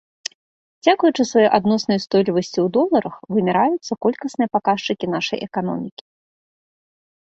Дзякуючы сваёй адноснай устойлівасці ў доларах вымяраюцца колькасныя паказчыкі нашай эканомікі.